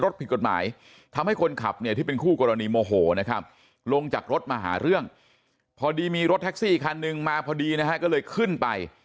ผิดกฎหมายทำให้คนขับเนี่ยที่เป็นคู่กรณีโมโหนะครับลงจากรถมาหาเรื่องพอดีมีรถแท็กซี่คันหนึ่งมาพอดีนะฮะก็เลยขึ้นไป